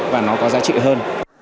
và nó có giá trị